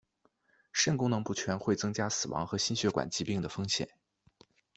肾功能不全会增加死亡和心血管疾病的风险。